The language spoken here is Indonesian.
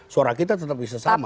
suara kita tetap bisa sama